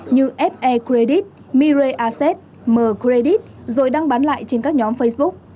như fe credit mirai asset mer credit rồi đăng bán lại trên các nhóm facebook